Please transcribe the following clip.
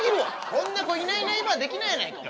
こんな子いないいないばあできないやないかお前。